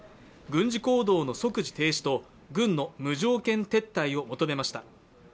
軍事行動の即時停止と軍の無条件撤退を求めました。